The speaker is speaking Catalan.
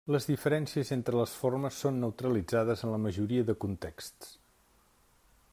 Les diferències entre les formes són neutralitzades en la majoria de contexts.